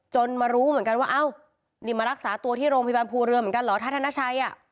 มารู้เหมือนกันว่าเอ้านี่มารักษาตัวที่โรงพยาบาลภูเรือเหมือนกันเหรอถ้าธนชัยอ่ะ